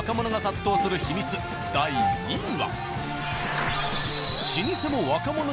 第２位は。